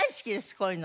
こういうの。